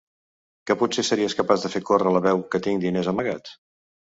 Que potser series capaç de fer córrer la veu que tinc diners amagats?